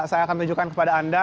saya akan tunjukkan kepada anda